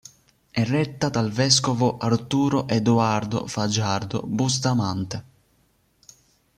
È retta dal vescovo Arturo Eduardo Fajardo Bustamante.